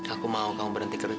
aku mau kamu berhenti kerja